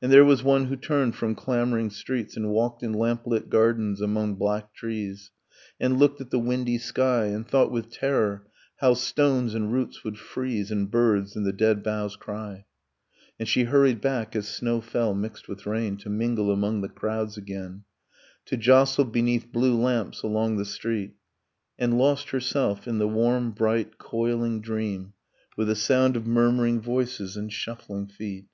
And there was one who turned from clamoring streets, And walked in lamplit gardens among black trees, And looked at the windy sky, And thought with terror how stones and roots would freeze And birds in the dead boughs cry ... And she hurried back, as snow fell, mixed with rain, To mingle among the crowds again, To jostle beneath blue lamps along the street; And lost herself in the warm bright coiling dream, With a sound of murmuring voices and shuffling feet.